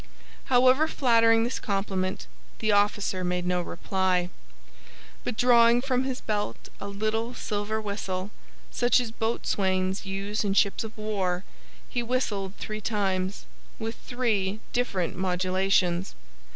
However flattering this compliment, the officer made no reply; but drawing from his belt a little silver whistle, such as boatswains use in ships of war, he whistled three times, with three different modulations.